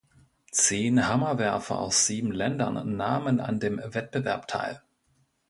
Zehn Hammerwerfer aus sieben Ländern nahmen an dem Wettbewerb teil.